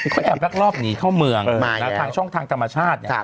เขาแอบแปลกรอบหนีเข้าเมืองมาทางช่องทางธรรมชาติ